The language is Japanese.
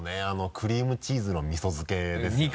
クリームチーズのみそ漬けですよね。